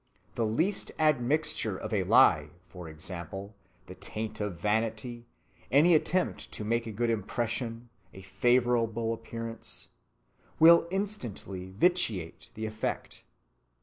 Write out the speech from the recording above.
The least admixture of a lie—for example, the taint of vanity, any attempt to make a good impression, a favorable appearance—will instantly vitiate the effect.